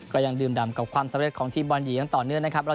ก็ยังดื่มดำกับความสำเร็จของทีมบอลหญิงต่อเนื่องนะครับ